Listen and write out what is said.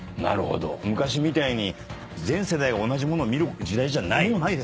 昔みたいに全世代が同じものを見る時代じゃない。